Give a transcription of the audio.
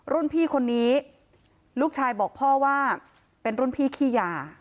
รุ่นพี่คนนี้ลูกชายบอกพ่อว่าเป็นรุ่นพี่ขี้ยา